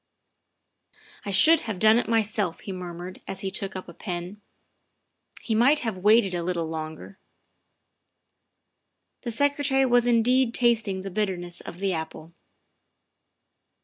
" I should have done it myself," he murmured as he took up a pen; " he might have waited a little longer. '' The Secretary was indeed tasting the bitterness of the apple.